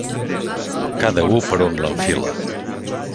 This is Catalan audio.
Cada u per on l'enfila.